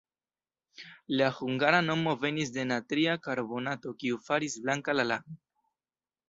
La hungara nomo venis de natria karbonato, kiu faris blanka la lagon.